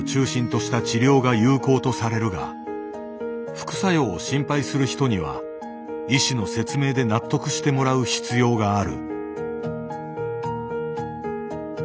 副作用を心配する人には医師の説明で納得してもらう必要がある。